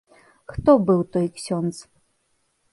Хто быў той ксёндз?